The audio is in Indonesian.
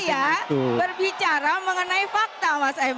saya berbicara mengenai fakta mas emil